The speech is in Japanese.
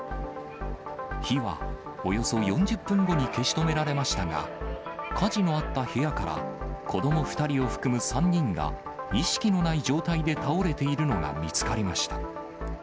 火はおよそ４０分後に消し止められましたが、火事のあった部屋から、子ども２人を含む３人が、意識のない状態で倒れているのが見つかりました。